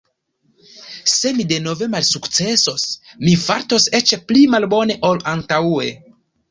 Se mi denove malsukcesos, mi fartos eĉ pli malbone ol antaŭe.